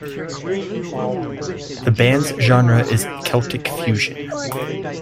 The band's genre is celtic fusion.